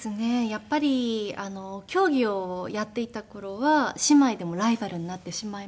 やっぱり競技をやっていた頃は姉妹でもライバルになってしまいますし。